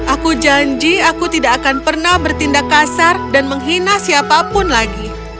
aku janji aku tidak akan pernah bertindak kasar dan menghina siapapun lagi